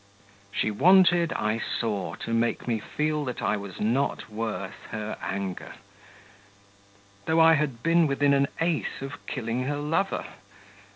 She wanted, I saw, to make me feel that I was not worth her anger, though I had been within an ace of killing her lover.